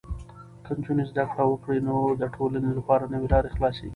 که نجونې زده کړه وکړي، نو د ټولنې لپاره نوې لارې خلاصېږي.